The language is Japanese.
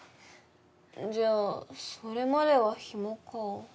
じゃあそれまでは暇か。